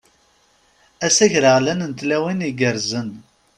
Ass agreɣlan n tlawin igerrzen!